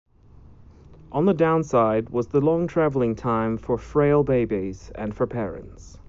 On the downside was the long travelling time for frail babies and for parents.